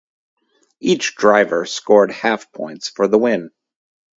Each driver scored half points for the win.